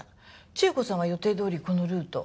千恵子さんは予定どおりこのルート。